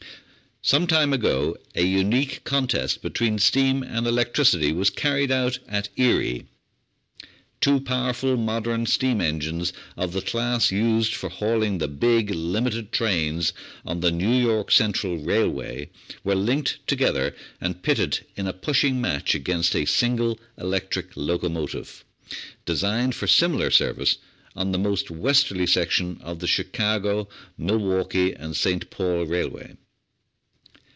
Some time ago a unique contest between steam and elec tricity was carried out at Erie. Two powerful modern steam engines of the class used for hauling the big "limited" trains on the New York Central Railway were linked together and pitted in a pushing match against a single electric locomotive, designed for similar service on the most westerly section of the Chicago, Milwaukee, and St. Paul Railway.